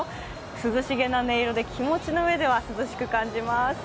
涼しげな音色で、気持ちの上では涼しく感じます。